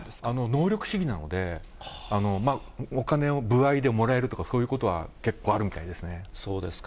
能力主義なので、お金を歩合でもらえるとか、そういうことは結構あるみたいでそうですか。